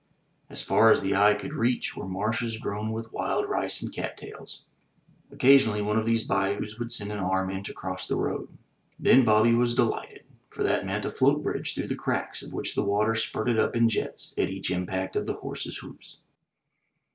As far as the eye could reach were marshes grown with wild rice and cat tails. Occasionally one of these bayous would send an arm in to cross the road. Then Bobby was delighted, for that meant a float bridge through the cracks of which the water spurted up in jets at each impact of the horse's hoofs.